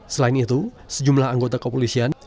selain itu sejumlah anggota kepolisian